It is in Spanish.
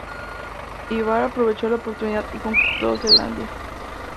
Ivar aprovechó la oportunidad y conquistó Selandia.